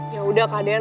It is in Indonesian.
yaudah kak deyan